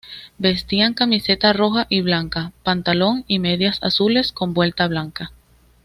Vestían camiseta roja y blanca, pantalón y medias azules con vuelta blanca.